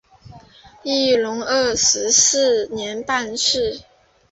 乾隆二十四年办事。